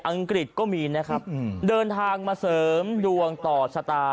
องกฤษก็มีนะครับเดินทางมาเสริมดวงต่อชะตา